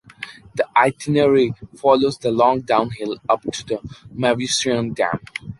The itinerary follows the long downhill up to the Mauvoisin.dam.